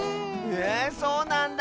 へえそうなんだあ。